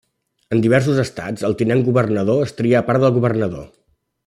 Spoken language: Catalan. En diversos estats el Tinent Governador es tria a part del Governador.